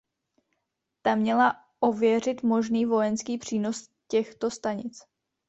Ta měla ověřit možný vojenský přínos těchto stanic.